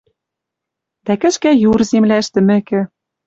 Дӓ кӹшкӓ юр земляш тӹмӹкӹ.